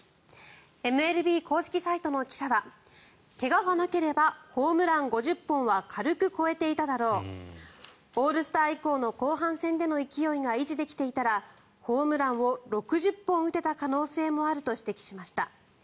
ＭＬＢ公式サイトの記者は怪我がなければホームラン５０本は軽く超えていただろうオールスター以降の後半戦での勢いが維持できていたらホームランを６０本打てた可能性もあると指摘しました。